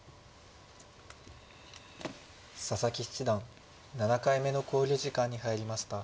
佐々木七段７回目の考慮時間に入りました。